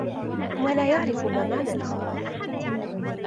هو لا يعرف ما معنى الخوف.